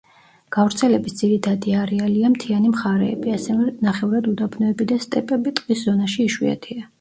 გავრცელების ძირითადი არეალია მთიანი მხარეები, ასევე ნახევრად უდაბნოები და სტეპები, ტყის ზონაში იშვიათია.